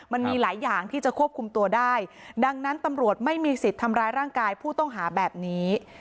มันมีหลายอย่างที่จะควบคุมตัวได้ดังนั้นตำรวจไม่มีสิทธิ์ทำร้ายร่างกายผู้ต้องหาแบบนี้